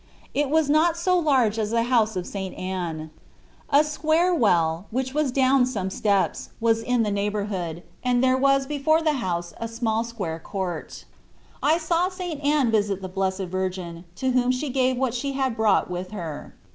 It was not so large as the house of St. Anne. A square well, which was down some steps, was in the neighbourhood, Xorfc Jesus Cbrfst, 17 and there was before the house a small square court. I saw St. Anne visit the Blessed Virgin, to whom she gave what she had brought with her.